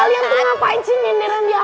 kalian tuh ngapain sih nyenderang di aku